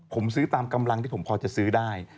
ผมซื้อตามกำลังที่ผมพอจะซื้อได้